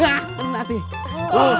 nah penat nih